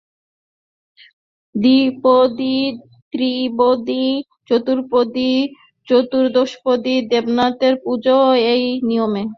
দ্বিপদী ত্রিপদী চতুষ্পদী চতুর্দশপদী দেবতাদের পুজোও এই নিয়মে।